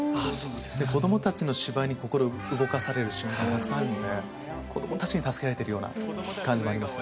子どもたちの芝居に心動かされる瞬間がたくさんあるので子どもたちに助けられているような感じもありますね。